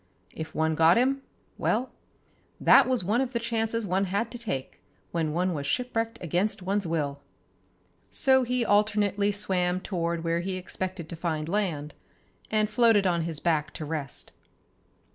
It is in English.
If one got him, well, that was one of the chances one had to take when one was shipwrecked against one's will. So he alternately swam toward where he expected to find land, and floated on his back to rest.